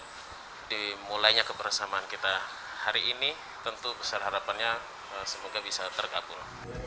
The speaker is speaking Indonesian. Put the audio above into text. jadi mulainya keberesamaan kita hari ini tentu besar harapannya semoga bisa terkabul